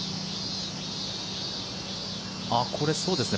これ、そうですね。